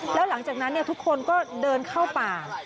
แล้วหลังจากนั้นทุกคนก็เดินเข้าป่า